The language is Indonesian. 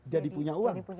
jadi punya uang